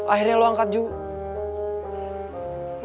akhirnya lo angkat juga